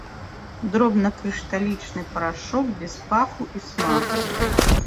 Дробнакрышталічны парашок без паху і смаку.